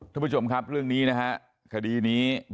ทุกผู้ชมครับเรื่องนี้นะคะคดีนี้บิ๊กโจ๊กครับ